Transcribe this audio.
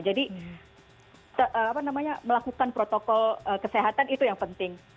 jadi melakukan protokol kesehatan itu yang penting